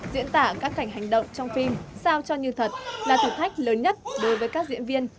diễn tả các cảnh hành động trong phim sao cho như thật là thử thách lớn nhất đối với các diễn viên